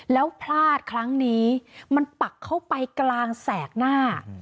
แล้วพลาดครั้งนี้มันปักเข้าไปกลางแสกหน้า